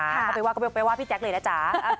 ถ้าไปว่าก็ไปว่าพี่แจ๊คเลยนะจ๊ะ